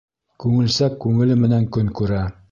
Күңелсәк күңеле менән көн күрә